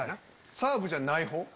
サーブじゃないほう？